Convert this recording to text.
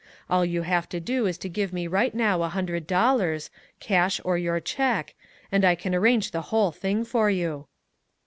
All you have to do is to give me right now a hundred dollars, cash or your cheque, and I can arrange the whole thing for you."